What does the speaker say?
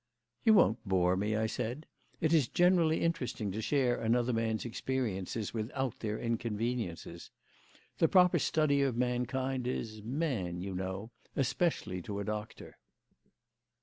"You won't bore me," I said. "It is generally interesting to share another man's experiences without their inconveniences. 'The proper study of mankind is man,' you know, especially to a doctor."